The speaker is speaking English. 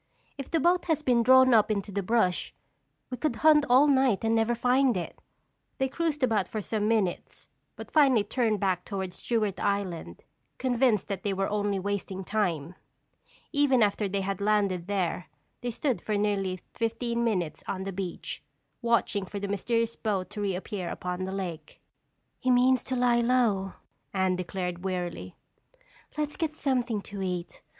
"If the boat has been drawn up into the brush we could hunt all night and never find it." They cruised about for some minutes but finally turned back toward Stewart Island, convinced that they were only wasting time. Even after they had landed there, they stood for nearly fifteen minutes on the beach, watching for the mysterious boat to reappear upon the lake. "He means to lie low," Anne declared wearily. "Let's get something to eat.